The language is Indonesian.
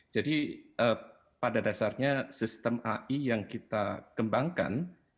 jadi pada dasarnya sistem ai yang kita kembangkan